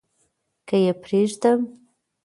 که يې پرېږدم .